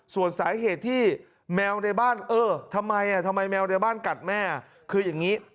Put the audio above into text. ส่วนสาเหตุที่แมวในบ้านเออทำไมทำไมแมวในบ้านกัดแม่คืออย่างนี้